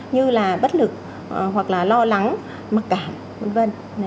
như là bất lực hoặc là lo lắng mặc cảm vân vân